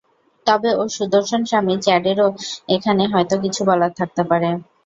তবে, ওর সুদর্শন স্বামী চ্যাডেরও এখানে হয়তো কিছু বলার থাকতে পারে।